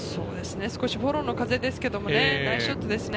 少しフォローの風ですけれどもね、ナイスショットですね。